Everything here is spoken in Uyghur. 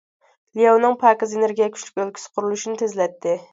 لياۋنىڭ پاكىز ئېنېرگىيە كۈچلۈك ئۆلكىسى قۇرۇلۇشىنى تېزلەتتى.